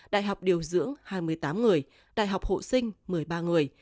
đại học điều dưỡng hai mươi tám người đại học hộ sinh một mươi ba người